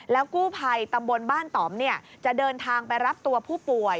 กู้ภัยตำบลบ้านต่อมจะเดินทางไปรับตัวผู้ป่วย